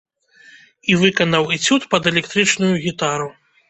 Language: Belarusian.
І выканаў эцюд пад электрычную гітару.